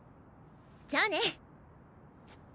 じゃあね。